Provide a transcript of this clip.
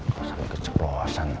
kalau sampai keceplosan